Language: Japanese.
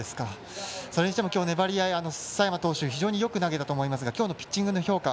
それにしても今日は粘り合い佐山投手よく投げたと思いますが今日のピッチングの評価